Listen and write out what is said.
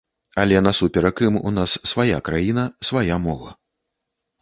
Але насуперак ім у нас свая краіна, свая мова.